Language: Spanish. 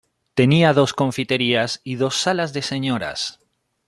Tenía dos confiterías y dos salas de señoras.